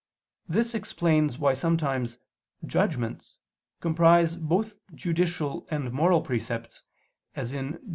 This explains why sometimes "judgments" comprise both judicial and moral precepts, as in Deut.